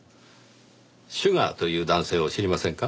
シュガーという男性を知りませんか？